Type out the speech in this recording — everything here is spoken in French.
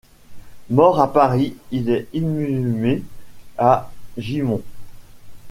Mort à Paris, il est inhumé à Gimont.